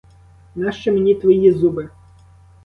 Нащо мені твої зуби?